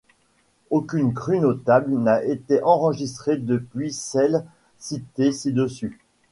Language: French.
Aucune crue notable n'a été enregistrée depuis celle citée ci-dessus.